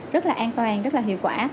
rất là an toàn rất là hiệu quả